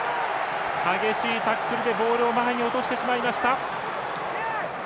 激しいタックルでボールを前に落としてしまいました。